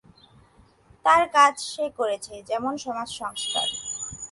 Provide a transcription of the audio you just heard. তার কাজ সে করেছে, যেমন সমাজসংস্কার।